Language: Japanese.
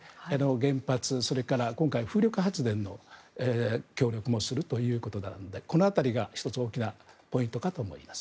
原発、そして風力発電の協力もするということなのでこの辺りが１つ大きなポイントかと思います。